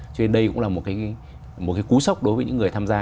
cho nên đây cũng là một cái cú sốc đối với những người tham gia